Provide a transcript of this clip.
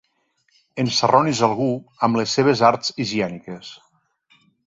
Ensarronis algú amb les teves arts higièniques.